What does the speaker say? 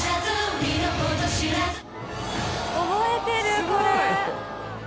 すごい。